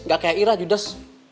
gak kayak ira judas